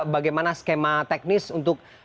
bagaimana skema teknis untuk